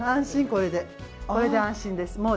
これで安心です。